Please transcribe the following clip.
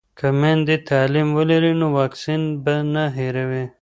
که میندې تعلیم ولري نو واکسین به نه هیروي.